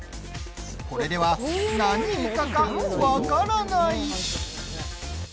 これでは、何イカか分からない。